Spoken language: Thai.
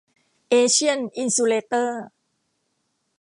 เอเชียน อินซูเลเตอร์